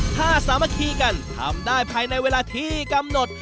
ถ้าสามัคคีกันทำได้ภายในเวลาที่กำหนด